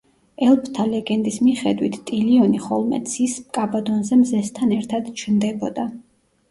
ელფთა ლეგენდის მიხედვით, ტილიონი ხოლმე ცის კაბადონზე მზესთან ერთად ჩნდებოდა.